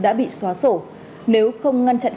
đã bị xóa sổ nếu không ngăn chặn